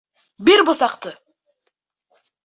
Бир бысаҡты!